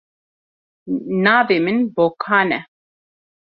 Navê min Bokan e.